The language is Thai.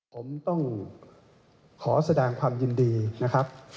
ผมต้องขอแสดงความยินดีนะครับ